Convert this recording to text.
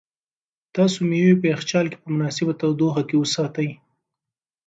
تاسو مېوې په یخچال کې په مناسبه تودوخه کې وساتئ.